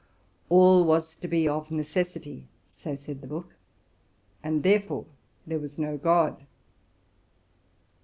''All was to be of neces sity,'' so said the book, '' and therefore there was no God."